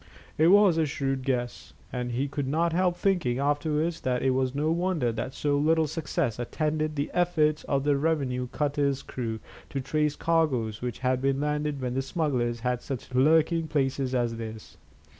It was a shrewd guess, and he could not help thinking afterwards that it was no wonder that so little success attended the efforts of the revenue cutter's crew to trace cargoes which had been landed when the smugglers had such lurking places as this.